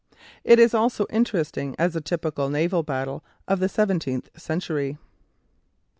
It is also interesting as a typical naval battle of the seventeenth century.